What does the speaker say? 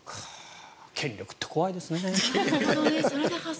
権力って怖いですね。